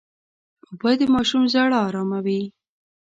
اوبه د ماشوم ژړا اراموي.